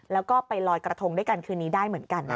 แล้วก็ไปลอยกระทงด้วยกันคืนนี้ได้เหมือนกันนะคะ